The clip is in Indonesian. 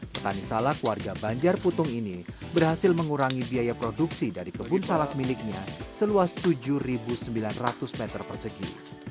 petani salak warga banjar putung ini berhasil mengurangi biaya produksi dari kebun salak miliknya seluas tujuh sembilan ratus meter persegi